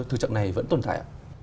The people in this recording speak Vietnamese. thứ trận này vẫn tồn tại ạ